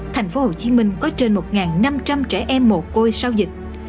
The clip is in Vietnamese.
tp hcm có trên một năm trăm linh trẻ em mồ côi sau dịch